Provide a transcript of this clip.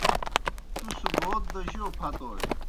تُس بوت دہ جو پھتوئے؟